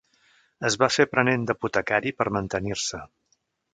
Es va fer aprenent d'apotecari per mantenir-se.